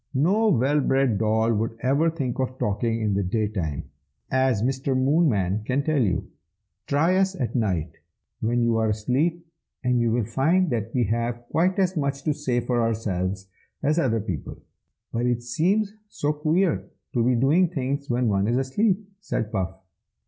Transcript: "No well bred doll would ever think of talking in the day time, as Mr. Moonman can tell you. Try us at night, when you are asleep, and you will find that we have quite as much to say for ourselves as other people." "But it seems so queer to be doing things when one is asleep!" said Puff.